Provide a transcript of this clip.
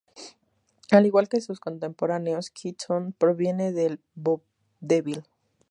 Al igual que sus contemporáneos, Keaton provino del vodevil.